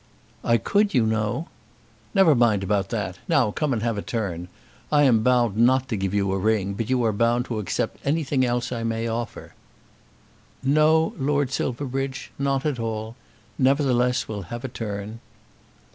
"I could, you know." "Never mind about that. Now come and have a turn. I am bound not to give you a ring; but you are bound to accept anything else I may offer." "No, Lord Silverbridge; not at all. Nevertheless we'll have a turn."